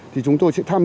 thì chúng tôi sẽ tham gia